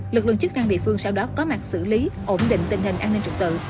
lực lượng chức năng địa phương sau đó có mặt xử lý ổn định tình hình an ninh trật tự